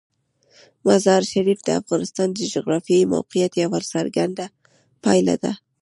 مزارشریف د افغانستان د جغرافیایي موقیعت یوه څرګنده پایله ده.